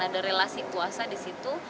ada relasi puasa disitu